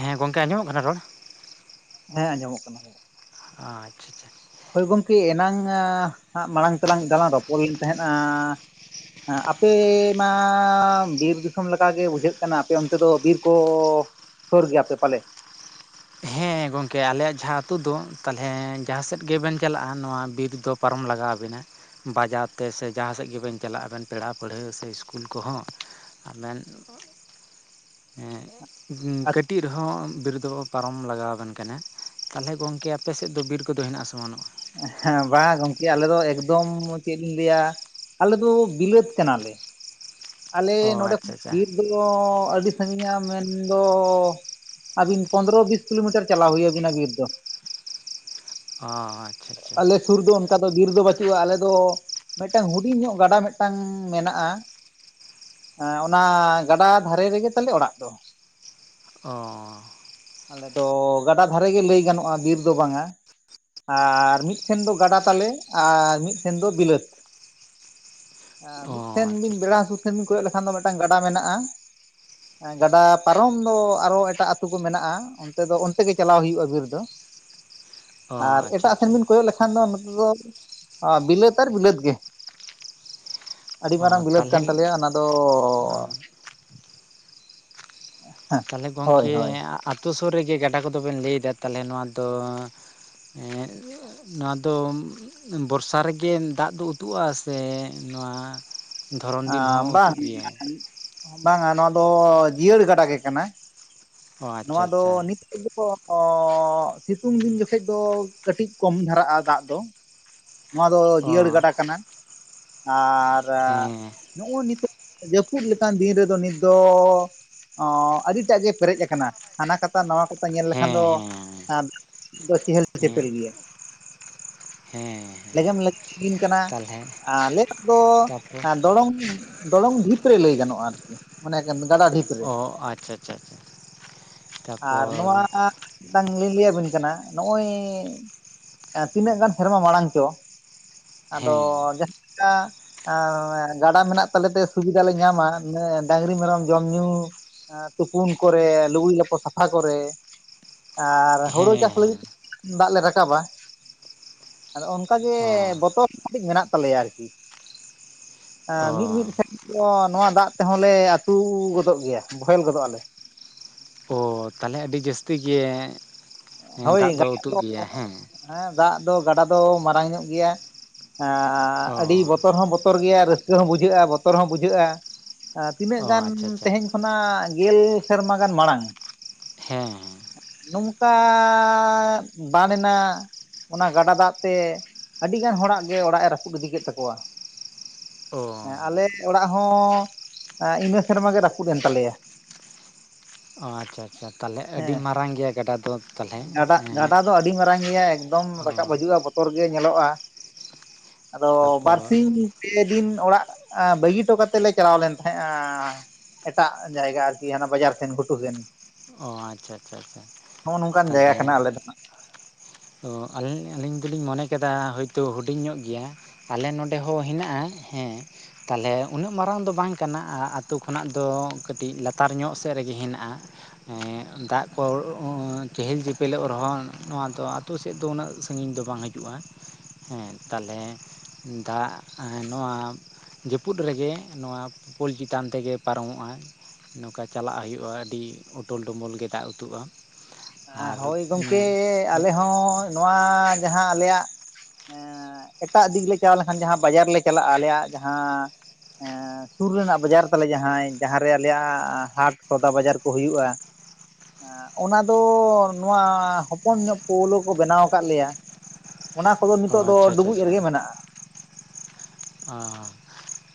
ᱦᱮᱸ ᱜᱚᱝᱠᱮ ᱟᱸᱡᱚᱢᱚᱜ ᱠᱟᱱᱟ ᱨᱚᱲ ᱦᱮᱸ ᱟᱸᱡᱚᱢᱚᱜ ᱠᱟᱱᱟ, ᱟᱪᱪᱷᱟ ᱟᱪᱷᱟ, ᱦᱚᱳᱭ ᱜᱚᱢᱠᱮ ᱮᱱᱟᱝᱜ ᱢᱟᱲᱟᱝ ᱛᱮᱞᱟᱝ ᱫᱞᱟᱝ ᱨᱚᱯᱚᱲ ᱞᱮᱱ ᱛᱟᱦᱮᱸᱫᱼᱱᱟ ᱦᱮᱸ ᱟᱯᱮ ᱢᱟ ᱵᱤᱨ ᱫᱤᱥᱚᱢ ᱞᱮᱠᱟᱜᱮ ᱵᱩᱡᱷᱟᱹᱜ ᱠᱟᱱᱟ ᱟᱯᱮ ᱚᱱᱛᱮ ᱫᱚ ᱵᱤᱨ ᱠᱚᱼᱼ ᱥᱩᱨ ᱜᱮᱭᱟᱯᱮ ᱯᱟᱞᱮ ᱦᱮᱸ ᱜᱚᱝᱠᱮ ᱟᱞᱮᱭᱟᱜ ᱡᱟᱦᱟᱸ ᱟᱛᱩ ᱫᱚ ᱛᱟᱦᱚᱞᱮ ᱡᱟᱦᱟᱸ ᱥᱮᱫ ᱜᱮᱵᱮᱱ ᱪᱟᱞᱟᱜᱼᱟ ᱱᱚᱣᱟ ᱵᱤᱨ ᱫᱚ ᱯᱟᱨᱚᱢ ᱞᱟᱜᱟᱣ ᱟᱵᱮᱱᱟ ᱾ ᱵᱟᱡᱟᱨ ᱛᱮ ᱥᱮ ᱡᱟᱦᱟᱸ ᱥᱮᱫ ᱜᱮᱵᱮᱱ ᱪᱟᱞᱟᱜ ᱟᱵᱮᱱ ᱯᱮᱲᱟ ᱯᱟᱹᱲᱦᱟᱹ ᱥᱮ ᱤᱥᱠᱩᱞ ᱠᱚᱦᱚᱸ ᱾ ᱟᱵᱮᱱ ᱮᱸᱜ ᱠᱟᱹᱴᱤᱡ ᱨᱮᱦᱚᱸ ᱵᱤᱨ ᱫᱚ ᱯᱟᱨᱚᱢ ᱞᱟᱜᱟᱣ ᱵᱟᱝ ᱠᱟᱱᱟ ᱛᱟᱞᱦᱮ ᱜᱚᱝᱠᱮ ᱟᱯᱮ ᱥᱮᱫ ᱫᱚ ᱵᱤᱨ ᱠᱚᱫᱚ ᱦᱮᱱᱟᱜᱼᱟ ᱥᱮ ᱵᱟᱱᱩᱜᱼᱟ? ᱦᱮᱸ ᱵᱟᱝ ᱜᱚᱝᱠᱮ ᱟᱞᱮ ᱫᱚ ᱮᱠᱫᱚᱢ ᱪᱮᱫ ᱞᱤᱧ ᱞᱟᱹᱭᱟ ᱟᱞᱮ ᱫᱚ ᱵᱤᱞᱟᱹᱛ ᱠᱟᱱᱟᱞᱮ ᱾ ᱟᱞᱮ ᱚ ᱱᱚᱰᱮ ᱟᱪᱪᱷᱟ ᱠᱷᱚᱱᱟᱜ ᱟᱪᱪᱷᱟ ᱵᱤᱨ ᱫᱚ ᱟᱹᱰᱤ ᱥᱟᱺᱜᱤᱧᱟ ᱢᱮᱱᱫᱚ ᱟᱵᱤᱱ ᱯᱚᱸᱫᱽᱨᱚ ᱵᱤᱥ ᱠᱤᱞᱳᱢᱤᱴᱟᱨ ᱪᱟᱞᱟᱣ ᱦᱩᱭ ᱟᱵᱤᱱᱟ ᱵᱤᱨ ᱫᱚ ᱾ ᱚ ᱟᱪᱪᱷᱟ ᱟᱪᱪᱷᱟ ᱾ ᱟᱞᱮ ᱥᱩᱨ ᱫᱚ ᱚᱱᱠᱟ ᱫᱚ ᱵᱤᱨ ᱫᱚ ᱵᱟᱪᱩᱜᱼᱟ ᱟᱞᱮ ᱫᱚ ᱢᱤᱫᱴᱟᱝ ᱦᱩᱰᱤᱧ ᱧᱚᱜ ᱜᱟᱰᱟ ᱢᱤᱫᱴᱟᱝ ᱢᱮᱱᱟᱜᱼᱟ ᱾ ᱮᱸᱻ ᱚᱱᱟ ᱜᱟᱰᱟ ᱫᱷᱟᱨᱮ ᱨᱮᱜᱮ ᱛᱟᱞᱮ ᱚᱲᱟᱜ ᱫᱚ ᱾ ᱚᱻ ᱟᱞᱮ ᱫᱚ ᱜᱟᱰᱟ ᱫᱷᱟᱨᱮ ᱜᱮ ᱞᱟᱹᱭ ᱜᱟᱱᱚᱜᱼᱟ ᱵᱤᱨ ᱫᱚ ᱵᱟᱝᱟ ᱾ ᱟᱨ ᱢᱤᱫ ᱥᱮᱱ ᱫᱚ ᱜᱟᱰᱟ ᱛᱟᱞᱮ ᱟᱨ ᱢᱤᱫ ᱥᱮᱱ ᱫᱚ ᱵᱤᱞᱟᱹᱛ ᱾ ᱚ ᱢᱤᱫᱴᱮᱱ ᱟᱪᱪᱷᱟ ᱵᱤᱱ ᱟᱪᱪᱷᱟ ᱵᱮᱲᱟ ᱦᱟᱸᱥᱩᱨ ᱥᱮᱱ ᱵᱤᱱ ᱠᱚᱭᱚᱜ ᱞᱮᱠᱷᱟᱱ ᱫᱚ ᱢᱤᱫᱴᱟᱝ ᱜᱟᱰᱟ ᱢᱮᱱᱟᱜᱼᱟ ᱾ ᱮᱸ ᱜᱟᱰᱟ ᱯᱟᱨᱚᱢ ᱫᱚ ᱟᱨᱚ ᱮᱴᱟᱜ ᱟᱹᱛᱩ ᱠᱚ ᱢᱮᱱᱟᱜᱼᱟ ᱾ ᱚᱱᱛᱮ ᱫᱚ ᱚᱱᱛᱮ ᱜᱮ ᱪᱟᱞᱟᱣ ᱦᱩᱭᱩᱜᱼᱟ ᱵᱤᱨ ᱫᱚ ᱚ ᱟᱨ ᱟᱪᱪᱷᱟ ᱮᱴᱟᱜ ᱟᱪᱪᱷᱟ ᱥᱮᱱ ᱵᱤᱱ ᱠᱚᱭᱚᱜ ᱞᱮᱠᱷᱟᱱ ᱠᱷᱟᱱ ᱫᱚ ᱱᱚᱛᱮ ᱫᱚ ᱵᱤᱞᱟᱹᱛ ᱟᱨ ᱵᱤᱞᱟᱹᱛ ᱜᱮ ᱾ ᱟᱰᱤ ᱚ ᱢᱟᱨᱟᱝ ᱵᱤᱞᱟᱹᱛ ᱛᱟᱞᱦᱮ ᱠᱟᱱ ᱛᱟᱞᱮᱭᱟ ᱚᱱᱟᱫᱚ ᱚ ᱛᱟᱞᱦᱮ ᱦᱳᱭ ᱜᱚᱝᱠᱮ ᱦᱳᱭ ᱟᱛᱳ ᱥᱩᱨ ᱨᱮᱜᱮ ᱜᱟᱰᱟ ᱠᱚᱫᱚ ᱵᱮᱱ ᱞᱟᱹᱭᱫᱟ᱾ ᱛᱟᱞᱦᱮ ᱱᱚᱣᱟ ᱫᱚ ᱮᱸᱻ ᱱᱚᱣᱟ ᱫᱚ ᱵᱚᱨᱥᱟ ᱨᱮᱜᱮ ᱫᱟᱜ ᱫᱚ ᱩᱛᱩᱜᱼᱟ ᱥᱮ ᱱᱚᱣᱟ ᱫᱷᱚᱨᱚᱱ ᱫᱤᱱ ᱸᱮ ᱦᱚᱸ ᱵᱟᱝ ᱩᱛᱩᱜ ᱜᱮᱭᱟ ᱵᱟᱝ-ᱟ ᱱᱚᱣᱟ ᱫᱚ ᱡᱤᱭᱟᱹᱲ ᱜᱟᱰᱟ ᱜᱮ ᱠᱟᱱᱟ ᱚ ᱾ ᱟᱪᱪᱷᱟ ᱱᱚᱣᱟ ᱫᱚ ᱟᱪᱪᱷᱟ ᱱᱤᱛ ᱠᱚ ᱚᱻ ᱥᱤᱛᱩᱝ ᱫᱤᱱ ᱡᱚᱠᱷᱮᱡ ᱫᱚ ᱠᱟᱹᱴᱤᱡ ᱠᱚᱢ ᱫᱷᱟᱨᱟᱜᱼᱟ ᱫᱟᱜ ᱫᱚ ᱾ ᱱᱚᱣᱟ ᱫᱚ ᱚ ᱡᱤᱭᱟᱹᱲ ᱜᱟᱰᱟ ᱠᱟᱱᱟ ᱟᱨ ᱦᱮᱸ ᱱᱚᱜᱼᱚ ᱱᱤᱛᱚᱜ ᱡᱟᱹᱯᱩᱫ ᱞᱮᱠᱟᱱ ᱫᱤᱱ ᱨᱮᱫᱚ ᱱᱤᱛ ᱫᱚ ᱚᱸ ᱟᱹᱰᱤ ᱴᱟᱜ ᱜᱮ ᱯᱮᱨᱮᱡ ᱟᱠᱟᱱᱟ᱾ ᱦᱟᱱᱟ ᱠᱟᱛᱟ ᱱᱚᱣᱟ ᱫᱚ ᱧᱮᱞ ᱞᱮᱠᱷᱟᱱ ᱦᱮᱸ ᱫᱚ ᱦᱮᱸ [unintelligible] ᱪᱮᱦᱮᱞ ᱦᱮᱸ ᱪᱮᱯᱮᱞ ᱜᱮᱭᱟ ᱾ ᱦᱮᱸ ᱾ ᱞᱮᱜᱮᱢ ᱞᱮᱜᱮᱢ ᱞᱤᱸᱜᱤᱱ ᱠᱟᱱᱟ᱾ ᱟᱞᱮ ᱫᱚ ᱛᱟᱯᱚᱨ ᱫᱚᱲᱚᱝ ᱫᱚᱲᱚᱝ ᱰᱷᱤᱯ ᱨᱮ ᱞᱟᱹᱭ ᱜᱟᱱᱚᱜᱼᱟ ᱟᱨ ᱠᱤ ᱾ ᱢᱟᱱᱮ ᱠᱟᱱ ᱜᱟᱰᱟ ᱰᱷᱤᱯ ᱨᱮ, ᱚ ᱟᱪᱪᱷᱟ ᱟᱪᱪᱷᱟ ᱟᱪᱪᱷᱟ ᱟᱨ ᱛᱟᱯᱚᱨ ᱱᱚᱣᱟ ᱢᱤᱫᱴᱟᱝ ᱞᱤᱧ ᱞᱟᱹᱭᱟᱵᱤᱱ ᱠᱟᱱᱟ, ᱱᱚᱜᱼᱚᱭ ᱛᱤᱱᱟᱹᱜ ᱜᱟᱱ ᱥᱮᱨᱢᱟ ᱢᱟᱲᱟᱝ ᱪᱚ ᱟᱫᱚ ᱦᱮᱸ ᱡᱟᱦᱠᱟ ᱮᱸ ᱜᱟᱰᱟ ᱢᱮᱱᱟᱜ ᱛᱟᱞᱮ ᱛᱮ ᱥᱩᱵᱤᱫᱷᱟ ᱞᱮ ᱧᱟᱢᱟ ᱰᱟᱝᱨᱤ, ᱢᱮᱨᱚᱢ ᱡᱚᱢ ᱧᱩ ᱮᱸ ᱛᱩᱯᱩᱱ ᱠᱚᱨᱮ ᱞᱩᱜᱽᱲᱤ ᱞᱟᱯᱚ ᱥᱟᱯᱷᱟ ᱠᱚᱨᱮ ᱟᱨ ᱦᱩᱲᱩ ᱦᱮᱸ ᱪᱟᱥ ᱦᱮᱸ ᱞᱟᱹᱜᱤᱫ ᱫᱟᱜ ᱞᱮ ᱨᱟᱠᱟᱵᱟ ᱾ ᱟᱫᱚ ᱚᱱᱠᱟᱜᱮ ᱚ ᱵᱚᱛᱚᱨ ᱠᱟᱴᱤᱡ ᱢᱮᱱᱟᱜ ᱛᱟᱞᱮᱭᱟ ᱟᱨᱠᱤ ᱾ ᱮᱸ ᱚ ᱢᱤᱫ ᱢᱤᱫ ᱥᱮᱫ ᱫᱚ ᱱᱚᱣᱟ ᱫᱟᱜ ᱛᱮᱦᱚᱸ ᱞᱮ ᱟᱹᱛᱩ ᱜᱚᱫᱚᱜ ᱜᱮᱭᱟ, ᱵᱳᱚᱦᱮᱞ ᱜᱚᱫᱚᱜ ᱟᱞᱮ ᱾ ᱚ ᱛᱟᱞᱦᱮ ᱟᱹᱰᱤ ᱡᱟᱹᱥᱛᱤ ᱜᱮ ᱦᱳᱭ ᱫᱟᱜ ᱫᱚ ᱜᱟᱰᱟ ᱟᱹᱛᱩᱜ ᱜᱮᱭᱟ ᱦᱮᱸ ᱾ ᱦᱮᱸ ᱫᱟᱜ ᱫᱚ ᱜᱟᱰᱟ ᱫᱚ ᱢᱟᱨᱟᱝ ᱧᱚᱜ ᱜᱮᱭᱟ ᱮ ᱟᱹᱰᱤ ᱚ ᱵᱚᱛᱚᱨ ᱦᱚᱸ ᱵᱚ ᱛᱚᱨ ᱜᱮᱭᱟ ᱨᱟᱹᱥᱠᱟᱹ ᱦᱚᱸ ᱵᱩᱡᱷᱟᱹᱜᱼᱟ, ᱵᱚᱛᱚᱨ ᱦᱚᱸ ᱵᱩᱡᱷᱟᱹᱜᱼᱟ ᱛᱤᱱᱟᱹᱜ ᱚ ᱜᱟᱱ ᱟᱪᱪᱷᱟ ᱟᱪᱪᱷᱟ ᱛᱮᱦᱮᱧ ᱠᱷᱚᱱᱟᱜ ᱜᱮᱞ ᱥᱮᱨᱢᱟ ᱜᱟᱱ ᱢᱟᱲᱟᱝ ᱦᱩᱸ ᱱᱚᱝᱠᱟ ᱵᱟᱱ ᱮᱱᱟ ᱚᱱᱟ ᱜᱟᱰᱟ ᱫᱟᱜ ᱛᱮ ᱟᱹᱰᱤ ᱜᱟᱱ ᱦᱚᱲᱟᱜ ᱜᱮ ᱚᱲᱟᱜ ᱮ ᱨᱟᱯᱩᱫ ᱤᱫᱤ ᱠᱮᱫ ᱛᱟᱠᱚᱣᱟ ᱚ ᱦᱮᱸ ᱟᱞᱮ ᱚᱲᱟᱜ ᱦᱚᱸ ᱤᱱᱟᱹ ᱥᱮᱨᱢᱟ ᱜᱮ ᱨᱟᱹᱯᱩᱫ ᱮᱱ ᱛᱟᱞᱮᱭᱟ ᱚ ᱟᱪᱪᱷᱟ ᱟᱪᱪᱷᱟ ᱛᱟᱞᱦᱮ ᱟᱹᱰᱤ ᱦᱮᱸ ᱢᱟᱨᱟᱝ ᱜᱮᱭᱟ ᱜᱟᱰᱟ ᱫᱚ? ᱛᱟᱦᱚᱞᱮ ᱜᱟᱰᱟ, ᱦᱮᱸ ᱜᱟᱰᱟ ᱫᱚ ᱟᱹᱰᱤ ᱢᱟᱨᱟᱝ ᱜᱮᱭᱟ ᱮᱠᱫᱚᱢ ᱚ ᱨᱟᱠᱟᱵ ᱦᱟᱹᱤᱡᱩᱜᱼᱟ ᱵᱚ ᱛᱚᱨ ᱜᱮ ᱧᱮᱞᱚᱜᱼᱟ ᱟᱫᱚ ᱛᱟᱯᱚᱨ ᱵᱟᱨᱥᱤᱧ ᱯᱮᱫᱤᱱ ᱚᱲᱟᱜ ᱵᱟᱹᱜᱤ ᱦᱚᱴᱚ ᱠᱟᱛᱮ ᱞᱮ ᱪᱟᱞᱟᱣ ᱞᱮᱱ ᱛᱟᱦᱮᱜᱼᱟ ᱮᱴᱟᱜ ᱡᱟᱭᱜᱟ ᱟᱨᱠᱤ ᱦᱟᱱᱟ ᱵᱟᱡᱟᱨ ᱥᱮᱱ ᱜᱷᱩᱴᱩ ᱥᱮᱱ ᱚ ᱟᱪᱪᱷᱟ ᱟᱪᱪᱷᱟ ᱟᱪᱪᱷᱟ ᱱᱚᱜ ᱱᱚᱝᱠᱟᱱ ᱡᱟᱭᱜᱟ ᱛᱟᱦᱚᱞᱮ ᱠᱟᱱᱟ ᱟᱞᱮ ᱫᱚ ᱱᱟᱜ ᱛᱚ ᱟᱹᱞᱤᱧ ᱫᱚᱞᱤᱧ ᱢᱚᱱᱮ ᱠᱮᱫᱟ ᱦᱳᱭᱛᱳ ᱦᱩᱰᱤᱧ ᱧᱚᱜ ᱜᱮᱭᱟ ᱟᱞᱮ ᱱᱚᱸᱰᱮ ᱦᱚᱸ ᱦᱤᱱᱟᱜᱼᱟ, ᱦᱮᱸ ᱛᱟᱦᱞᱮ ᱩᱱᱟᱹᱜ ᱢᱟᱨᱟᱝ ᱫᱚ ᱵᱟᱝ ᱠᱟᱱᱟ ᱟᱛᱩ ᱠᱷᱚᱱᱟᱜ ᱫᱚ ᱠᱟᱹᱴᱤᱡ ᱞᱟᱛᱟᱨ ᱧᱚᱜ ᱥᱮᱜ ᱨᱮᱜᱤ ᱦᱮᱱᱟᱜᱼᱟ ᱫᱟᱜ ᱠᱚ ᱪᱮᱦᱮᱞ ᱪᱮᱯᱮᱞᱚᱜ ᱨᱚᱦᱚᱸ ᱱᱚᱣᱟ ᱫᱚ ᱟᱛᱳ ᱥᱮᱫ ᱫᱚ ᱩᱱᱟᱹᱜ ᱥᱟᱺᱜᱤᱧ ᱫᱚ ᱵᱟᱝ ᱦᱤᱡᱩᱜᱼᱟ ᱦᱮᱸ ᱛᱟᱞᱦᱮ ᱫᱟᱜ ᱱᱚᱣᱟ ᱡᱟᱹᱯᱩᱫ ᱨᱮᱜᱮ ᱱᱚᱣᱟ ᱯᱳᱞ ᱪᱮᱛᱟᱱ ᱛᱮᱜᱮ ᱯᱟᱨᱚᱢᱚᱜᱼᱟ ᱱᱚᱠᱟ ᱪᱟᱞᱟᱜ ᱦᱩᱭᱩᱜᱼᱟ ᱟᱹᱰᱤ ᱩᱴᱩᱞ ᱰᱩᱢᱩᱞ ᱜᱮ ᱫᱟᱜ ᱩᱛᱩᱜᱼᱟ ᱟᱨ ᱦᱳᱭ ᱜᱚᱢᱠᱮ ᱟᱞᱮ ᱦᱚᱸ ᱱᱚᱣᱟ ᱡᱟᱸᱦᱟ ᱟᱞᱮᱭᱟᱜ ᱮᱴᱟᱜ ᱫᱤᱠᱞᱮ ᱪᱟᱣ ᱞᱮᱠᱷᱟᱱ ᱡᱟᱦᱟ ᱵᱟᱡᱟᱨ ᱞᱮ ᱪᱟᱞᱟᱜᱼᱟ ᱟᱞᱮᱭᱟᱜ ᱡᱟᱦᱟᱸ ᱮᱸ ᱥᱩᱨ ᱨᱮᱱᱟᱜ ᱵᱟᱡᱟᱨ ᱛᱟᱞᱮ ᱡᱟᱸᱦᱟᱭ ᱡᱟᱸᱦᱟᱨᱮ ᱟᱞᱮᱭᱟᱜ ᱦᱟᱴ ᱥᱚᱫᱟ ᱵᱟᱡᱟᱨ ᱠᱚ ᱦᱩᱭᱩᱜᱼᱟ ᱚᱱᱟ ᱫᱚ ᱱᱚᱣᱟ ᱦᱚᱯᱚᱱ ᱧᱚᱜ ᱯᱳᱣᱞᱳ ᱠᱚ ᱵᱮᱱᱟᱣ ᱠᱟᱜ ᱞᱮᱭᱟ ᱚᱱᱟ ᱠᱚᱫᱚ ᱚ ᱱᱤᱛᱚᱜ ᱫᱚ ᱟᱪᱪᱷᱟ ᱟᱪᱪᱷᱟ ᱰᱩᱵᱩᱡ ᱨᱮᱜᱮ ᱢᱮᱱᱟᱜᱼᱟ ᱦᱚ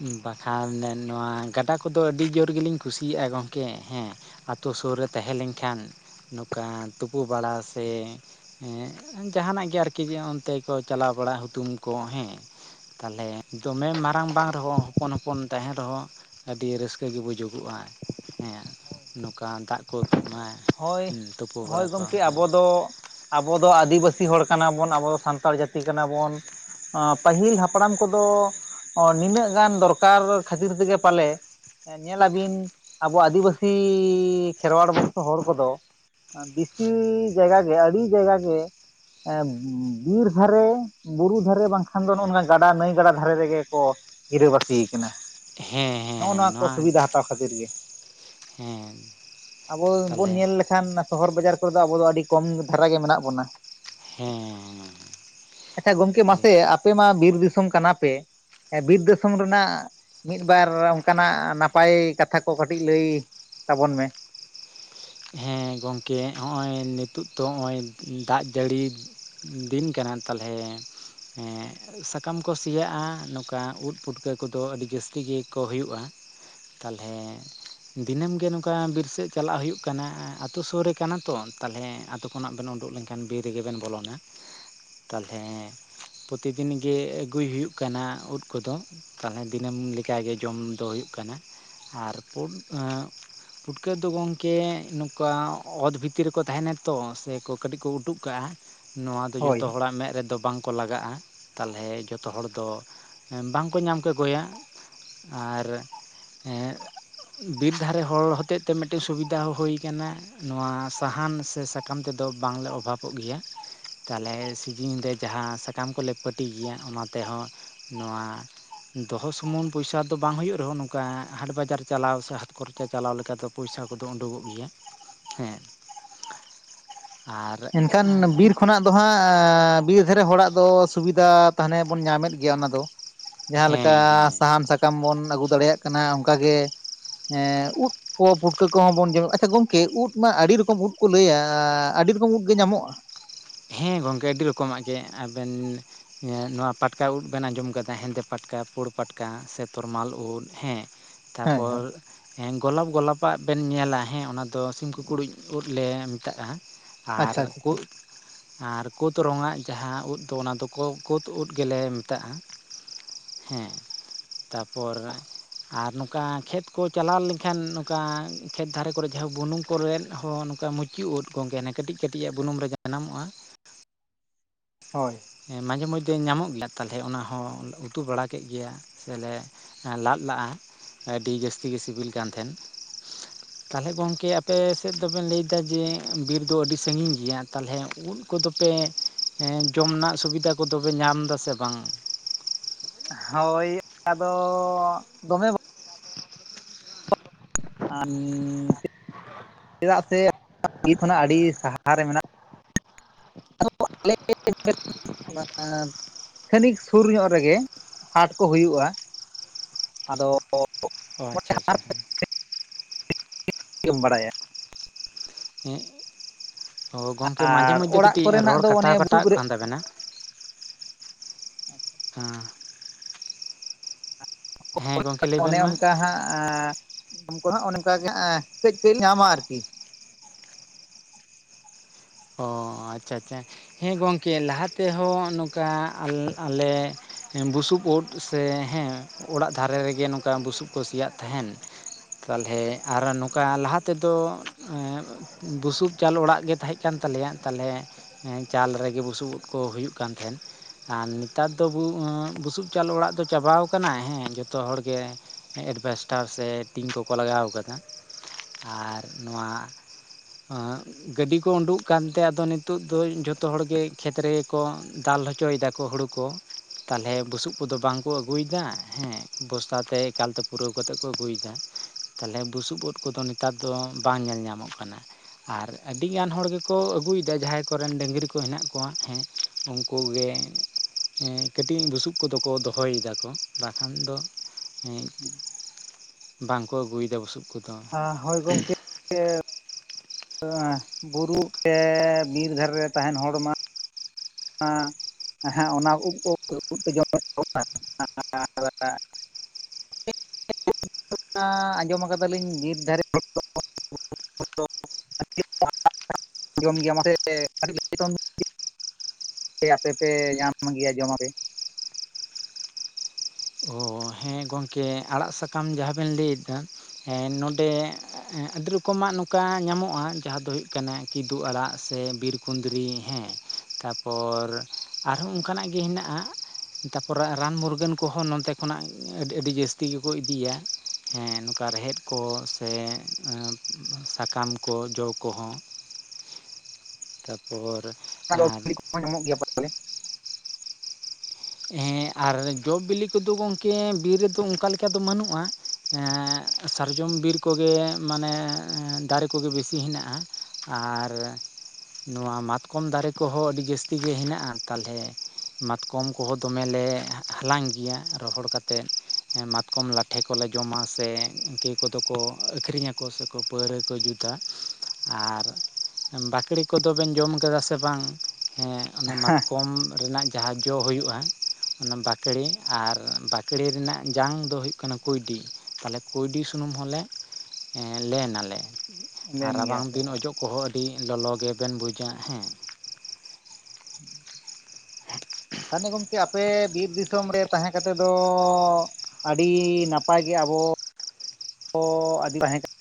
ᱦᱚ ᱵᱟᱠᱷᱟᱱ ᱱᱚᱣᱟ ᱜᱟᱰᱟ ᱠᱚᱫᱚ ᱟᱹᱰᱤ ᱡᱳᱨ ᱜᱮᱞᱤᱧ ᱠᱩᱥᱤᱭᱟᱜᱼᱟ ᱜᱚᱝᱠᱮ ᱦᱮᱸ ᱟᱛᱳ ᱥᱳᱨ ᱨᱮ ᱛᱟᱦᱮ ᱞᱮᱱᱠᱷᱟᱱ ᱱᱚᱝᱠᱟ ᱛᱩᱯᱩ ᱵᱟᱲᱟ ᱥᱮ ᱦᱮᱸ ᱡᱟᱦᱟᱱᱟᱜ ᱜᱮ ᱟᱨᱠᱤ ᱡᱮ ᱚᱱᱛᱮ ᱠᱚ ᱪᱟᱞᱟᱣ ᱵᱟᱲᱟᱜ ᱦᱩᱛᱩᱢ ᱠᱚ ᱦᱮᱸ ᱛᱟᱦᱞᱮ ᱫᱚᱢᱮ ᱢᱟᱨᱟᱝ ᱵᱟᱝ ᱨᱮᱦᱚᱸ ᱦᱚᱯᱚᱱ ᱦᱚᱯᱚᱱ ᱛᱟᱦᱮᱱ ᱨᱮᱦᱚ ᱟᱹᱰᱤ ᱨᱟᱹᱥᱠᱟᱹ ᱜᱮ ᱵᱩᱡᱩᱜᱚᱜᱼᱟ ᱦᱮᱸ ᱱᱚᱝᱠᱟ ᱫᱟᱜ ᱠᱚ ᱛᱩᱜ ᱢᱟᱭ ᱦᱳᱭ ᱛᱳᱯᱳ ᱦᱳᱭ ᱵᱟᱲᱟ ᱠᱚ ᱜᱚᱢᱠᱮ ᱟᱵᱚ ᱫᱚ ᱟᱵᱚ ᱫᱚ ᱟᱹᱫᱤᱵᱟᱹᱥᱤ ᱦᱚᱲ ᱠᱟᱱᱟᱵᱚᱱ ᱟᱵᱚ ᱫᱚ ᱥᱟᱱᱛᱟᱲ ᱡᱟᱹᱛᱤ ᱠᱟᱱᱟ ᱵᱚᱱ ᱯᱟᱹᱦᱤᱞ ᱦᱟᱯᱲᱟᱢ ᱠᱚᱫᱚ ᱚ ᱱᱤᱱᱟᱹᱜ ᱜᱟᱱ ᱫᱚᱨᱠᱟᱨ ᱠᱷᱟᱛᱤᱨ ᱛᱮᱜᱮ ᱯᱟᱞᱮ ᱧᱮᱞ ᱟᱵᱤᱱ ᱟᱵᱚ ᱟᱹᱫᱤᱵᱟᱹᱥᱤ ᱠᱷᱮᱨᱣᱟᱲ ᱵᱚᱸᱝᱥᱚ ᱦᱚᱲ ᱠᱚᱫᱚ ᱵᱤᱥᱤ ᱡᱟᱭᱜᱟ ᱜᱮ ᱟᱹᱰᱤ ᱡᱟᱭᱜᱟ ᱜᱮ ᱵᱤᱨ ᱫᱷᱟᱨᱮ ᱵᱩᱨᱩ ᱫᱷᱟᱨᱮ ᱵᱟᱝᱠᱷᱟᱱ ᱫᱚ ᱱᱚ ᱱᱚᱝᱠᱟ ᱜᱟᱰᱟ ᱱᱟᱹᱭ ᱜᱟᱰᱟ ᱫᱷᱟᱨᱮ ᱨᱮᱜᱮ ᱠᱚ ᱜᱤᱨᱟᱹᱵᱟᱹᱥᱤ ᱠᱟᱱᱟ ᱦᱮᱸ ᱱᱚᱜ ᱱᱚᱣᱟ ᱦᱮᱸ ᱠᱚ ᱥᱩᱵᱤᱫᱷᱟ ᱦᱟᱛᱟᱣ ᱠᱷᱟᱛᱤᱨ ᱜᱮ ᱦᱮᱸ ᱟᱵᱚ ᱵᱚᱱ ᱛᱟᱦᱚᱞᱮ ᱧᱮᱞ ᱞᱮᱠᱷᱟᱱ ᱥᱚᱦᱚᱨ ᱵᱟᱡᱟᱨ ᱠᱚᱨᱮ ᱫᱚ ᱟᱵᱚ ᱫᱚ ᱟᱹᱰᱤ ᱠᱚᱢ ᱫᱷᱟᱨᱟ ᱜᱮ ᱢᱮᱱᱟᱜ ᱵᱚᱱᱟ ᱦᱩᱸᱻᱻᱻᱻ ᱟᱪᱪᱷᱟ ᱜᱚᱝᱠᱮ ᱛᱚ ᱢᱟᱥᱮ ᱟᱯᱮ ᱢᱟ ᱵᱤᱨ ᱫᱤᱥᱚᱢ ᱠᱟᱱᱟ ᱯᱮ ᱵᱤᱨ ᱫᱤᱥᱚᱢ ᱨᱮᱱᱟᱜ ᱢᱤᱫ ᱵᱟᱨ ᱚᱝᱠᱟᱱᱟᱜ ᱱᱟᱯᱟᱭ ᱠᱟᱛᱷᱟ ᱠᱚ ᱠᱟᱴᱤᱡ ᱞᱟᱹᱭ ᱛᱟᱵᱚᱱ ᱢᱮ ᱦᱮᱸ ᱜᱚᱝᱠᱮ ᱦᱚᱸᱜᱼᱚᱭ ᱱᱤᱛᱳᱜ ᱫᱚ ᱱᱚᱜᱼᱚᱭ ᱫᱟᱜ ᱡᱟᱹᱲᱤ ᱫᱤᱱ ᱠᱟᱱᱟ ᱛᱟᱞᱦᱮ ᱥᱟᱠᱟᱢ ᱠᱚ ᱥᱮᱭᱟᱜᱼᱟ ᱱᱚᱝᱠᱟ ᱩᱫ ᱯᱩᱴᱠᱟᱹ ᱠᱚᱫᱚ ᱟᱹᱰᱤ ᱡᱟᱹᱥᱛᱤ ᱜᱮᱠᱚ ᱦᱩᱭᱩᱜᱼᱟ ᱛᱟᱞᱦᱮ ᱫᱤᱱᱟᱹᱢ ᱜᱮ ᱱᱚᱝᱠᱟ ᱵᱤᱨ ᱥᱮᱜ ᱪᱟᱞᱟᱜ ᱦᱩᱭᱩᱜ ᱠᱟ ᱠᱟᱱᱟ ᱟᱛᱳ ᱥᱩᱨ ᱨᱮ ᱠᱟᱱᱟ ᱛᱚ ᱛᱟᱦᱚᱞᱮ ᱟᱛᱳ ᱠᱷᱚᱱᱟᱜ ᱵᱮᱱ ᱩᱰᱩᱠ ᱞᱮᱱ ᱠᱷᱟᱱ ᱵᱤᱨ ᱨᱮ ᱜᱮ ᱵᱮᱱ ᱵᱚᱞᱚᱱᱟ᱾ ᱛᱟᱦᱞᱮ ᱯᱚᱛᱤ ᱫᱤᱱ ᱜᱮ ᱟᱹᱜᱩᱭ ᱦᱩᱭᱩᱜ ᱠᱟᱱᱟ ᱩᱫ ᱠᱚ ᱫᱚᱼ ᱛᱟᱦᱞᱮ ᱫᱤᱱᱟᱹᱢ ᱞᱮᱠᱟ ᱜᱮ ᱡᱚᱢ ᱫᱚ ᱦᱩᱭᱩᱜ ᱠᱟᱱᱟ ᱟᱨ [unintelligible] ᱯᱩᱴᱠᱟᱹ ᱫᱚ ᱜᱚᱝᱠᱮ [unintelligible] ᱠᱮ ᱱᱚᱝᱠᱟ ᱚᱛ ᱵᱷᱤᱛᱤᱨ ᱨᱮ ᱠᱚ ᱛᱟᱦᱮᱱᱟ ᱛᱚ ᱥᱮ ᱠᱚ ᱠᱟᱹᱴᱤᱡ ᱠᱚ ᱩᱰᱩᱜ ᱠᱟᱜᱼᱟ ᱱᱚᱣᱟ ᱫᱚ ᱦᱳᱭ ᱡᱷᱚᱛᱚ ᱦᱚᱲᱟᱜ ᱢᱮᱫ ᱨᱮ ᱫᱚ ᱵᱟᱝ ᱠᱚ ᱞᱟᱜᱟᱜᱼᱟ ᱛᱟᱦᱞᱮ ᱡᱚᱛᱚ ᱦᱚᱲ ᱫᱚ ᱵᱟᱝ ᱠᱚ ᱧᱟᱢ ᱠᱚ ᱜᱮᱭᱟ᱾ ᱟᱨ ᱦᱮᱸ ᱵᱤᱨ ᱫᱷᱟᱨᱮ ᱦᱚᱲ ᱦᱚᱛᱮᱡ ᱛᱮ ᱢᱤᱫᱴᱮᱱ ᱥᱩᱵᱤᱫᱷᱟ ᱦᱩᱭ ᱠᱟᱱᱟ ᱱᱚᱣᱟ ᱥᱟᱦᱟᱱ ᱥᱮ ᱥᱟᱠᱟᱢ ᱛᱮ ᱫᱚ ᱵᱟᱝᱞᱮ ᱚᱵᱷᱟᱵᱚᱜ ᱜᱮᱭᱟ ᱛᱟᱦᱚᱞᱮ ᱥᱤᱡᱤᱱ ᱨᱮ ᱡᱟᱸᱦᱟ ᱥᱟᱠᱟᱢ ᱠᱚᱞᱮ ᱯᱟᱹᱴᱤ ᱜᱮᱭᱟ ᱚᱱᱟ ᱛᱮ ᱦᱚᱸ ᱱᱚᱣᱟ ᱫᱚᱦᱚ ᱥᱩᱢᱩᱝ ᱯᱚᱭᱥᱟ ᱫᱚ ᱵᱟᱝ ᱦᱩᱭᱩᱜ ᱨᱮ ᱦᱚᱸ ᱱᱚᱝᱠᱟ ᱦᱟᱴ ᱵᱟᱡᱟᱨ ᱪᱟᱞᱟᱣ ᱥᱮ ᱦᱟᱛ ᱠᱷᱚᱨᱪᱟ ᱪᱟᱞᱟᱣ ᱞᱮᱠᱟ ᱫᱚ ᱯᱚᱭᱥᱟ ᱠᱚ ᱠᱚ ᱫᱚ ᱩᱰᱩᱠᱚᱜ ᱜᱮᱭᱟ ᱦᱮᱸ ᱟᱨ ᱮᱱᱠᱷᱟᱱ [unintelligible] ᱫᱚ ᱦᱟᱸᱜ ᱵᱤᱨ ᱫᱷᱟᱨᱮ ᱦᱚᱲᱟᱜ ᱫᱚ ᱥᱩᱵᱤᱫᱟ ᱛᱟᱦᱚᱞᱮ ᱵᱚᱱ ᱧᱟᱢ ᱮᱫ ᱜᱮᱭᱟ ᱚᱱᱟ ᱫᱚᱼᱼ ᱡᱟᱸᱦᱟ ᱞᱮᱠᱟ ᱦᱮᱸ ᱦᱮᱸ ᱥᱟᱦᱟᱱ ᱥᱟᱠᱟᱢ ᱵᱚᱱ ᱟᱹᱜᱩ ᱫᱟᱲᱮᱭᱟᱜ ᱠᱟᱱᱟ ᱚᱱᱠᱟ ᱜᱮ ᱩᱫ ᱠᱚ ᱯᱩᱴᱠᱟᱹ ᱠᱚᱦᱚᱸ ᱵᱚᱱ ᱡᱚᱢ ᱮᱫᱟ, ᱟᱪᱪᱷᱟ ᱜᱚᱢᱠᱮ ᱩᱫ ᱢᱟ ᱟᱹᱰᱤ ᱨᱚᱠᱚᱢ ᱩᱫ ᱠᱚ ᱞᱟᱹᱭᱟ ᱟᱹᱰᱤ ᱨᱚᱠᱚᱢ ᱩᱫ ᱜᱮ ᱧᱟᱢᱚᱜᱼᱟ। ᱦᱮᱸ ᱜᱚᱝᱠᱮ ᱟᱹᱰᱤ ᱨᱚᱠᱚᱢᱟᱜ ᱜᱮ ᱟᱵᱮᱱ ᱦᱮᱸ ᱱᱚᱣᱟ ᱯᱟᱴᱠᱟ ᱩᱫ ᱵᱮᱱ ᱟᱸᱡᱚᱢ ᱠᱟᱫᱟ ᱦᱮᱸᱫᱮ ᱯᱟᱴᱠᱟ, ᱯᱩᱲ ᱯᱟᱴᱠᱟ, ᱥᱮ ᱛᱚᱨᱢᱟᱞ ᱩᱫ ᱦᱮᱸ। ᱛᱟ ᱦᱮᱸ ᱯᱚᱨ ᱦᱮᱸ ᱦᱮᱸ ᱜᱚᱞᱟᱯ ᱜᱚᱞᱟᱯ ᱟᱜ ᱵᱮᱱ ᱧᱮᱞᱟ ᱦᱮᱸ ᱚᱱᱟ ᱫᱚ ᱥᱤᱢ ᱠᱩᱠᱩᱲᱩᱡ ᱩᱫ ᱞᱮ ᱢᱮᱛᱟᱜᱼᱟ। ᱟᱨ ᱟᱪᱪᱷᱟ ᱟᱪᱪᱷᱟ ᱩᱫ- ᱟᱨ ᱠᱩᱫᱽ ᱨᱚᱝ ᱟᱜ ᱡᱟᱸᱦᱟ ᱩᱫ ᱫᱚ ᱚᱱᱟ ᱫᱚ ᱠᱩᱫᱽ ᱩᱫ ᱜᱮᱞᱮ ᱢᱮᱛᱟᱜᱼᱟ। ᱦᱮᱸ ᱛᱟ ᱯᱚᱨ ᱟᱨ ᱱᱚᱝᱠᱟ ᱠᱷᱮᱛ ᱠᱚ ᱪᱟᱞᱟᱣ ᱞᱮᱱ ᱠᱷᱟᱱ ᱱᱚᱝᱠᱟ ᱠᱷᱮᱛ ᱫᱷᱟᱨᱮ ᱠᱚ ᱨᱮ ᱡᱟᱸᱦᱟ ᱵᱩᱱᱩᱢ ᱠᱚᱨᱮᱫ ᱦᱚᱸ ᱱᱚᱝᱠᱟ ᱢᱩᱪ ᱪᱮᱛ ᱩᱫ ᱜᱚᱝᱠᱮ ᱚᱱᱟ ᱠᱟᱹᱴᱤᱡ ᱠᱟᱹᱴᱤᱡ ᱟᱜ ᱵᱩᱱᱩᱢ ᱨᱮ ᱡᱟᱱᱟᱢᱚᱜᱼᱟ? ᱦᱳᱭ। ᱢᱟᱡᱷᱮ ᱢᱚᱫᱽᱫᱷᱮ ᱧᱟᱢᱚᱜ ᱜᱮᱭᱟ ᱛᱟᱦᱚᱞᱮ ᱚᱱᱟ ᱦᱚᱸ ᱩᱛᱩ ᱵᱟᱲᱟ ᱠᱮᱫ ᱜᱮᱭᱟ ᱥᱮᱞᱮ ᱞᱟᱫ ᱞᱟᱜᱼᱟ ᱟᱹᱰᱤ ᱡᱟᱹᱥᱛᱤ ᱜᱮ ᱥᱤᱵᱤᱞ ᱠᱟᱱ ᱛᱟᱦᱮᱸᱱ। ᱛᱟᱸᱦᱚᱞᱮ ᱜᱚᱝᱠᱮ ᱟᱯᱮ ᱥᱮᱫ ᱫᱚ ᱵᱮᱱ ᱞᱟᱹᱭᱫᱟ ᱡᱮ ᱵᱤᱨ ᱫᱚ ᱟᱹᱰᱤ ᱥᱟᱺᱜᱤᱧ ᱜᱮᱭᱟ ᱛᱟᱦᱚᱞᱮ ᱩᱫᱽ [unintelligible] ᱫᱚᱯᱮ ᱡᱚᱢ ᱨᱮᱱᱟᱜ ᱥᱩᱵᱤᱫᱟ ᱠᱚ ᱫᱚ ᱯᱮ ᱧᱟᱢ ᱮᱫᱟ ᱥᱮ ᱵᱟᱝ? ᱦᱳᱭ, ᱟᱫᱚ ᱫᱚᱢᱮ ᱵᱚ [unintelligible] ᱪᱮᱫᱟᱜ ᱥᱮ ᱵᱤᱨ ᱠᱷᱚᱱᱟᱜ ᱟᱹᱰᱤ ᱥᱟᱦᱟ ᱨᱮ ᱢᱮᱱᱟᱜ [unintelligible] ᱠᱷᱟᱹᱱᱤᱠ ᱥᱩᱨ ᱧᱚᱜ ᱨᱮᱜᱮ ᱦᱟᱴ ᱠᱚ ᱦᱩᱭᱩᱜᱼᱟ ᱟᱫᱚ ᱚ ᱟᱪᱪᱷᱟ ᱟᱪᱪᱷᱟ ᱦᱮᱸ। [unintelligible] ᱵᱟᱲᱟᱭᱟ। ᱮᱜ ᱚ ᱜᱚᱝᱠᱮ ᱢᱟᱡᱷᱮ ᱟᱨ ᱢᱚᱫᱽᱫᱷᱮ ᱚᱲᱟᱜ ᱠᱟᱹᱴᱤᱡ ᱠᱚᱨᱮᱱᱟᱜ ᱨᱚᱲ ᱫᱚ ᱚᱱᱮ ᱠᱟᱴᱟᱣ ᱠᱟᱴᱟᱜ ᱵᱩᱥᱩᱵ ᱨᱮ ᱠᱟᱱ ᱛᱟᱵᱮᱱᱟ। ᱟᱸ ᱦᱳᱭ ᱜᱚᱢᱠᱮ ᱞᱟᱹᱭ ᱚᱱᱮ ᱵᱮᱱ ᱢᱟ ᱚᱱᱠᱟ ᱦᱟᱸᱜ-ᱟ ᱩᱫᱽ ᱠᱚ ᱦᱟᱜ ᱚᱱᱮ ᱚᱱᱠᱟ ᱜᱮ ᱦᱟᱜ ᱮ ᱠᱟᱹᱡ ᱠᱟᱹᱡ ᱧᱟᱢᱟ ᱟᱨᱠᱤ। ᱚ ᱟᱪᱪᱷᱟ ᱟᱪᱪᱷᱟ, ᱦᱮᱸ ᱜᱚᱝᱠᱮ ᱞᱟᱦᱟ ᱛᱮᱦᱚᱸ ᱱᱚᱝᱠᱟ ᱟᱞᱮ ᱟᱞᱮ ᱵᱩᱥᱩᱵ ᱩᱫ ᱥᱮ ᱦᱮᱸ ᱚᱲᱟᱜ ᱫᱷᱟᱨᱮ ᱨᱮ ᱜᱮ ᱱᱚᱝᱠᱟ ᱵᱩᱥᱩᱵ ᱠᱚ ᱥᱮᱭᱟᱜ ᱛᱟᱦᱮᱱ। ᱛᱟᱦᱚᱞᱮ ᱟᱨ ᱱᱚᱝᱠᱟ ᱞᱟᱦᱟ ᱛᱮ ᱫᱚ ᱵᱩᱥᱩᱵ ᱪᱟᱞ ᱚᱲᱟᱜ ᱜᱮ ᱛᱟᱸᱦᱮᱡᱼᱼ ᱠᱟᱱ ᱛᱟᱞᱮᱭᱟ ᱛᱟᱦᱚᱞᱮ ᱪᱟᱞ ᱨᱮ ᱜᱮ ᱵᱩᱥᱩᱵ ᱩᱫᱽ ᱠᱚ ᱦᱩᱭᱩᱜ ᱠᱟᱱ ᱛᱟᱸᱦᱮᱱ। ᱟᱨ ᱱᱮᱛᱟᱨ ᱫᱚ [unintelligible] ᱵᱩᱥᱩᱵ ᱪᱟᱞ ᱚᱲᱟᱜ ᱫᱚ ᱪᱟᱵᱟᱣ ᱟᱠᱟᱱᱟ ᱦᱮᱸ ᱡᱚᱛᱚ ᱦᱚᱲ ᱜᱮ ᱮᱰᱵᱷᱮᱥᱴᱟᱨ ᱥᱮ ᱴᱤᱱ ᱠᱚ ᱠᱚ ᱞᱟᱜᱟᱣ ᱟᱠᱟᱫᱟ ᱟᱨ ᱱᱚᱣᱟ ᱟᱸᱜ ᱜᱟᱹᱰᱤ ᱠᱚ ᱠᱚ ᱩᱰᱩᱜ ᱠᱟᱱ ᱛᱮ ᱟᱫᱚ ᱱᱤᱛᱚᱜ ᱫᱚ ᱡᱚᱛᱚ ᱦᱚᱲ ᱜᱮ ᱠᱷᱮᱛ ᱨᱮᱜᱮ ᱠᱚ ᱫᱟᱞ ᱦᱚᱪᱚᱭ ᱮᱫᱟ ᱠᱚ ᱦᱳᱲᱳ ᱠᱚ। ᱛᱟᱦᱚᱞᱮ ᱵᱩᱥᱩᱵ ᱠᱚᱫᱚ ᱵᱟᱝ ᱠᱚ ᱟᱹᱜᱩᱭ ᱮᱫᱟ ᱦᱮᱸ ᱵᱚᱥᱛᱟ ᱛᱮ ᱮᱠᱟᱞ ᱛᱮ ᱯᱩᱨᱟᱹᱣ ᱠᱟᱛᱮᱫ ᱠᱚ ᱟᱹᱜᱩᱭ ᱮᱫᱟ। ᱛᱟᱦᱚᱞᱮ ᱵᱩᱥᱩᱵ ᱩᱫ ᱠᱚᱫᱚ ᱱᱮᱛᱟᱨ ᱫᱚ ᱵᱟᱝ ᱧᱮᱞ ᱧᱟᱢᱚᱜ ᱠᱟᱱᱟ ᱟᱨ ᱟᱹᱰᱤ ᱟᱹᱰᱤᱜᱟᱱ ᱦᱚᱲ ᱜᱮᱠᱚ ᱟᱹᱜᱩᱭᱮᱫᱟ ᱡᱟᱸᱦᱟᱭ ᱠᱚᱨᱮᱱ ᱰᱟᱹᱝᱨᱤ ᱠᱚ ᱦᱮᱱᱟᱜ ᱠᱚᱣᱟ ᱦᱮᱸ ᱩᱱᱠᱩ ᱜᱮ᱾ ᱦᱮᱸ ᱠᱟᱹᱴᱤᱡ ᱵᱩᱥᱩᱵ ᱠᱚᱫᱚ ᱠᱚ ᱫᱚᱦᱚᱭᱮᱫᱟᱠᱚ ᱵᱟᱠᱷᱟᱱ ᱫᱚ ᱦᱩᱸ ᱵᱟᱝᱠᱚ ᱟᱹᱜᱩᱭᱮᱫᱟ ᱵᱩᱥᱩᱵ ᱠᱚᱫᱚ᱾ ᱟᱸ ᱦᱳᱭ ᱜᱚᱝᱠᱮ᱾ ᱟᱸ ᱵᱩᱨᱩ ᱥᱮ ᱵᱤᱨ ᱫᱷᱟᱨᱮ ᱨᱮ ᱛᱟᱸᱦᱮᱱ ᱦᱚᱲ ᱢᱟ ᱚᱱᱟ ᱦᱮᱸ ᱚᱱᱟ ᱩᱫ ᱠᱚ ᱩᱫ ᱯᱮ ᱡᱚᱢ ᱟ ᱟᱨ [unintelligible] [unintelligible] ᱟᱸᱡᱚᱢ ᱟᱠᱟᱫᱟᱞᱤᱧ ᱵᱤᱨ ᱫᱷᱟᱨᱮ [unintelligible] [unintelligible] ᱟᱸᱡᱚᱢ ᱜᱮᱭᱟ ᱢᱟᱥᱮ ᱟᱰᱤ [unintelligible] ᱥᱮ ᱟᱯᱮᱯᱮ ᱧᱟᱢ ᱜᱮᱭᱟ ᱡᱚᱢᱟᱯᱮ᱾ ᱚ ᱦᱮᱸ ᱜᱚᱝᱠᱮ ᱟᱲᱟᱜ ᱥᱟᱠᱟᱢ ᱡᱟᱦᱟ ᱵᱮᱱ ᱞᱟᱹᱭᱮᱫ ᱫᱚ ᱦᱮᱸ ᱱᱚᱸᱰᱮ ᱟᱹᱰᱤ ᱨᱚᱠᱚᱢᱟᱜ ᱱᱚᱝᱠᱟ ᱧᱟᱢᱚᱜ-ᱟ᱾ ᱡᱟᱦᱟᱸ ᱫᱚ ᱦᱩᱭᱩᱜ ᱠᱟᱱᱟ ᱠᱤᱫᱩ ᱟᱲᱟᱜ ᱥᱮ ᱵᱤᱨ ᱠᱩᱸᱫᱽᱨᱤ ᱦᱮᱸ ᱛᱟᱨᱯᱚᱨ ᱟᱨᱦᱚᱸ ᱚᱝᱠᱟᱱᱟᱜ ᱜᱮ ᱦᱮᱱᱟᱜ-ᱟ ᱛᱟᱨᱯᱚᱨ ᱨᱟᱱ ᱢᱩᱨᱜᱟᱹᱱ ᱠᱚᱦᱚᱸ ᱱᱚᱛᱮ ᱠᱷᱚᱱᱟᱜ ᱟᱹᱰᱤ ᱟᱹᱰᱤ ᱡᱟᱹᱥᱛᱤ ᱜᱮᱠᱚ ᱤᱫᱤᱭᱟ᱾ ᱦᱮᱸ, ᱱᱚᱝᱠᱟ ᱨᱮᱦᱮᱫ ᱠᱚ ᱥᱮ ᱥᱟᱠᱟᱢ ᱠᱚ ᱡᱚ ᱠᱚᱦᱚᱸ᱾ [inaudible] ᱛᱟᱯᱚᱨ ᱚᱱᱟ ᱟᱨ [unintelligible] ᱦᱮᱸ ᱟᱨ ᱡᱚ ᱵᱤᱞᱤ ᱠᱚᱫᱚ ᱜᱚᱝᱠᱮ ᱵᱤᱨ ᱨᱮᱫᱚ ᱚᱝᱠᱟ ᱞᱮᱠᱟ ᱫᱚ ᱵᱟᱹᱱᱩᱜ-ᱟ᱾ ᱮᱸᱜ, ᱥᱟᱨᱡᱚᱢ ᱵᱤᱨ ᱠᱚᱜᱮ ᱢᱟᱱᱮ ᱫᱟᱨᱮ ᱠᱚᱜᱮ ᱵᱮᱥᱤ ᱦᱮᱱᱟᱜ-ᱟ᱾ ᱟᱨ ᱱᱚᱣᱟ ᱢᱟᱛᱠᱚᱢ ᱫᱟᱨᱮ ᱠᱚᱦᱚᱸ ᱟᱹᱰᱤ ᱡᱟᱹᱥᱛᱤ ᱜᱮ ᱦᱮᱱᱟᱜ-ᱟ ᱛᱟᱞᱦᱮ ᱢᱟᱛᱠᱚᱢ ᱠᱚᱦᱚᱸ ᱫᱚᱢᱮᱞᱮ ᱦᱟᱞᱟᱝ ᱜᱮᱭᱟ ᱨᱚᱦᱚᱲ ᱠᱟᱛᱮᱫ ᱢᱟᱛᱠᱚᱢ ᱞᱟᱴᱷᱮ ᱠᱚᱞᱮ ᱡᱚᱢᱟ ᱥᱮ ᱠᱮ ᱠᱚᱫᱚ ᱠᱚ ᱟᱹᱠᱷᱨᱤᱧᱟᱠᱚ ᱥᱮᱠᱚ ᱯᱟᱹᱣᱨᱟᱹ ᱠᱚ ᱡᱩᱫ ᱟᱨ ᱵᱟᱠᱲᱮ ᱠᱚᱫᱚ ᱵᱮᱱ ᱡᱚᱢ ᱠᱟᱫᱟ ᱥᱮ ᱵᱟᱝ ᱦᱮᱸ ᱚᱱᱟ ᱢᱟᱛᱠᱚᱢ ᱨᱮᱱᱟᱜ ᱡᱟᱦᱟᱸ ᱡᱚ ᱦᱩᱭᱩᱜ-ᱟ ᱚᱱᱟ ᱵᱟᱠᱲᱮ ᱟᱨ ᱵᱟᱠᱲᱮ ᱨᱮᱱᱟᱜ ᱡᱟᱝ ᱫᱚ ᱦᱩᱭᱩᱜ ᱠᱟᱱᱟ ᱠᱩᱩᱸᱭᱰᱤ ᱛᱟᱦᱞᱮ ᱠᱩᱸᱭᱰᱤ ᱥᱩᱱᱩᱢ ᱦᱚᱸᱞᱮ ᱞᱮᱱᱟᱞᱮ ᱟᱨ ᱯᱟᱞᱮᱱ ᱨᱟᱵᱟᱝ ᱜᱮᱭᱟᱯᱮ ᱫᱤᱱ ᱦᱚᱸ ᱚᱡᱚᱜ ᱠᱚᱦᱚᱸ ᱟᱹᱰᱤ ᱞᱚᱞᱚ ᱜᱮᱵᱮᱱ ᱵᱩᱡᱟ ᱦᱮᱸ ᱦᱩᱸ᱾ ᱛᱟᱦᱞᱮ ᱜᱚᱝᱠᱮ ᱟᱯᱮ ᱵᱤᱨ ᱫᱤᱥᱚᱢ ᱨᱮ ᱛᱟᱦᱮᱸ ᱠᱟᱛᱮ ᱫᱚ ᱟᱹᱰᱤ ᱱᱟᱯᱟᱭ ᱜᱮ ᱟᱵᱚ ᱠᱚ ᱟᱹᱫᱤ ᱛᱟᱦᱮᱸ ᱠᱟᱱ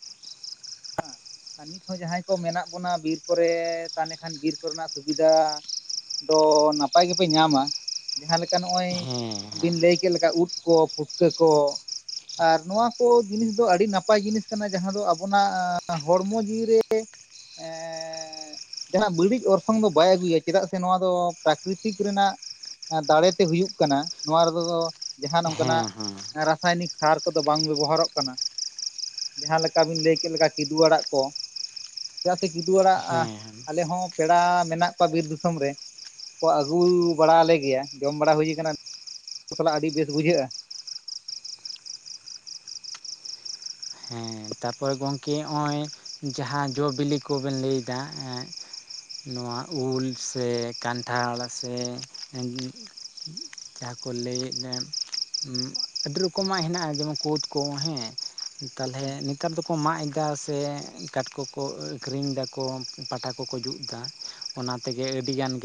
ᱟᱨ ᱱᱤᱛ ᱦᱚᱸ ᱡᱟᱦᱟᱸᱭ ᱠᱚ ᱢᱮᱱᱟᱜ ᱵᱚᱱᱟ ᱵᱤᱨ ᱠᱚᱨᱮ, ᱛᱟᱦᱞᱮ ᱠᱷᱟᱱ ᱵᱤᱨ ᱠᱚᱨᱮᱱᱟᱜ ᱥᱩᱵᱤᱫᱷᱟ ᱫᱚ ᱱᱟᱯᱟᱭ ᱜᱮᱯᱮ ᱧᱟᱢᱟ᱾ ᱡᱟᱦᱟᱸ ᱞᱮᱠᱟ ᱱᱚᱜᱼᱚᱭ ᱦᱮᱸ ᱵᱤᱱ ᱞᱟᱹᱭ ᱠᱮᱫ ᱞᱮᱠᱟ ᱩᱫ ᱠᱚ ᱯᱷᱩᱴᱠᱟᱹ ᱠᱚ ᱟᱨ ᱱᱚᱣᱟ ᱠᱚ ᱡᱤᱱᱤᱥ ᱫᱚ ᱟᱹᱰᱤ ᱱᱟᱯᱟᱭ ᱡᱤᱱᱤᱥ ᱠᱟᱱᱟ ᱡᱟᱦᱟᱸ ᱫᱚ ᱟᱵᱚᱱᱟᱜ ᱦᱚᱲᱢᱚ ᱡᱤᱣᱤ ᱨᱮ ᱮᱸᱻ ᱡᱟᱦᱟᱸ ᱵᱟᱹᱲᱤᱡ ᱚᱨᱥᱚᱝ ᱫᱚ ᱵᱟᱭ ᱟᱹᱜᱩᱭᱟ ᱪᱮᱫᱟᱜ ᱥᱮ ᱱᱚᱣᱟ ᱫᱚ ᱯᱨᱟᱠᱨᱤᱛᱤᱠ ᱨᱮᱱᱟᱜ ᱫᱟᱲᱮᱛᱮ ᱦᱩᱭᱩᱜ ᱠᱟᱱᱟ ᱱᱚᱣᱟ ᱨᱮᱫᱚ ᱡᱟᱦᱟᱸ ᱱᱚᱝᱠᱟᱱᱟᱜ ᱦᱮᱸ ᱦᱮᱸ ᱨᱟᱥᱟᱭᱱᱤᱠ ᱥᱟᱨ ᱠᱚᱫᱚ ᱵᱟᱝ ᱵᱮᱵᱚᱦᱟᱨᱚᱜ ᱠᱟᱱᱟ᱾ ᱡᱟᱦᱟᱸ ᱞᱮᱠᱟ ᱵᱤᱱ ᱞᱟᱹᱭ ᱠᱮᱫ ᱞᱮᱠᱟ ᱠᱤᱫᱩ ᱟᱲᱟᱜ ᱠᱚ ᱪᱮᱫᱟᱜ ᱥᱮ ᱠᱤᱫᱩ ᱟᱲᱟᱜ ᱦᱮᱸ ᱟᱞᱮ ᱦᱚᱸ ᱯᱮᱲᱟ ᱢᱮᱱᱟᱜ ᱠᱚᱣᱟ ᱵᱤᱨ ᱫᱤᱥᱚᱢ ᱨᱮ ᱠᱚ ᱟᱹᱜᱩ ᱵᱟᱲᱟᱣᱟᱞᱮ ᱜᱮᱭᱟ᱾ ᱡᱚᱢ ᱵᱟᱲᱟ ᱦᱩᱭᱩ ᱠᱟᱱᱟ [inaudible] ᱥᱟᱞᱟᱜ ᱟᱹᱰᱤ ᱵᱮᱥ ᱵᱩᱡᱷᱟᱹᱜ-ᱟ᱾ ᱦᱮᱸ ᱛᱟᱨᱯᱚᱨᱮ ᱜᱚᱝᱠᱮ ᱦᱚᱸᱜ-ᱚᱭ ᱡᱟᱦᱟᱸ ᱡᱚ ᱵᱤᱞᱤ ᱠᱚᱵᱮᱱ ᱞᱟᱹᱭᱫᱟ ᱮᱸᱫ ᱱᱚᱣᱟ ᱩᱞ ᱥᱮ ᱠᱟᱱᱴᱷᱟᱲ ᱥᱮ ᱩᱸᱻ ᱡᱟᱦᱟᱸ ᱠᱚ ᱞᱟᱹᱭᱮᱫ ᱮᱢ ᱟᱹᱰᱤ ᱨᱚᱠᱚᱢᱟᱜ ᱦᱮᱱᱟᱜ-ᱟ ᱡᱮᱢᱚᱱ ᱠᱳᱫ ᱠᱚ ᱦᱮᱸ ᱛᱟᱞᱦᱮ ᱱᱤᱛ ᱱᱮᱛᱟᱨ ᱫᱚᱠᱚ ᱢᱟᱜ ᱮᱫᱟ ᱥᱮ ᱠᱟᱴᱠᱚ ᱠᱚ ᱠᱚ ᱟᱹᱠᱷᱨᱤᱧ ᱮᱫᱟᱠᱚ ᱯᱟᱴᱟ ᱠᱚᱠᱚ ᱡᱩᱛ ᱮᱫᱟ᱾ ᱚᱱᱟ ᱛᱮᱜᱮ ᱟᱹᱰᱤ ᱜᱟᱱ ᱜᱮ